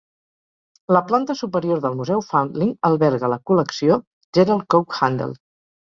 La planta superior del Museu Foundling alberga la Col·lecció Gerald Coke Handel.